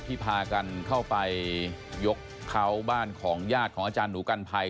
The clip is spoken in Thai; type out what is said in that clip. พากันเข้าไปยกเขาบ้านของญาติของอาจารย์หนูกันภัย